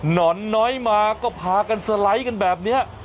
นอนน้อยมาก็พากันสไลด์กันแบบนี้